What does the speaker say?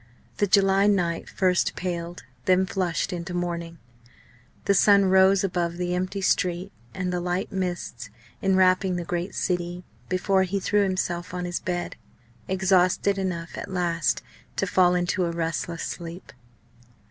The July night first paled, then flushed into morning; the sun rose above the empty street and the light mists enwrapping the great city, before he threw himself on his bed, exhausted enough at last to fall into a restless sleep.